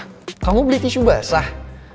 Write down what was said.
karena kamu beli tisu basah